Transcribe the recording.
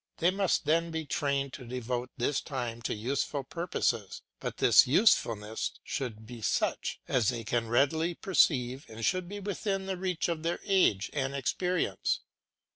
They must then be trained to devote this time to useful purposes, but this usefulness should be such as they can readily perceive and should be within the reach of their age and experience.